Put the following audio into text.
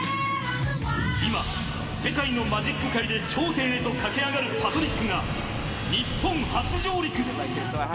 今世界のマジック界で頂点へと駆け上がるパトリックが日本初上陸。